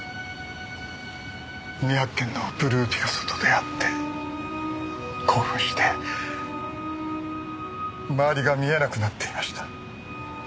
未発見のブルーピカソと出会って興奮して周りが見えなくなっていました。